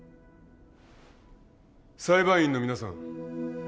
裁判員の皆さん